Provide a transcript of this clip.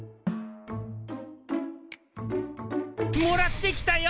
もらってきたよ